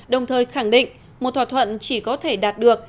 đồng thời khẳng định một thỏa thuận chỉ có thể đạt được